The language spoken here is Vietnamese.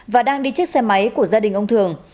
và đang đi chiếc xe máy của gia đình ông thường